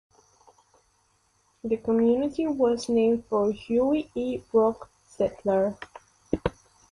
The community was named for Huey E. Brock, settler.